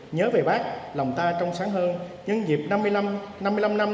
nhớ về bác lòng ta trong sáng hơn nhân dịp năm mươi năm năm